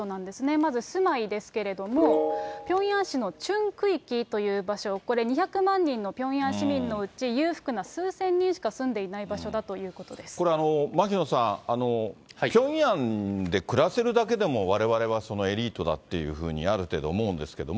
まず、住まいですけれども、ピョンヤン市のチュン区域という場所、これ２００万人のピョンヤン市民のうち裕福な数千人しか住んでいこれ、牧野さん、ピョンヤンで暮らせるだけでも、われわれはエリートだっていうふうに、ある程度思うんですけども。